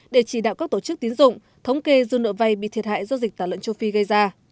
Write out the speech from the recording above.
để chỉ đạo các tổ chức tín dụng thống kê dư nợ vay bị thiệt hại do dịch tả lợn châu phi gây ra